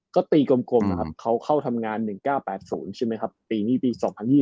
ก็ตีกลมนะครับเขาเข้าทำงาน๑๙๘๐ใช่ไหมครับปีนี้ปี๒๐๒๐